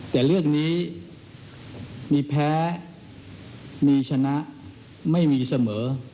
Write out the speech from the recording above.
แต่เรื่องนี้มีแพ้มีชนะไม่มีเสมอ